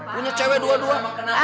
punya cewe dua dua